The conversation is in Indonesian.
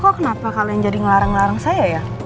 kok kenapa kalian jadi ngelarang ngelarang saya ya